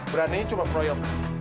beraninya cuma peroyok